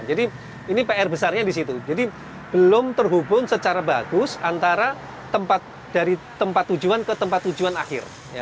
jadi ini pr besarnya di situ jadi belum terhubung secara bagus antara tempat dari tempat tujuan ke tempat tujuan akhir